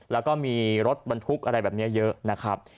แล้วก็มีรถบรรทุกอะไรแบบนี้เยอะนะครับ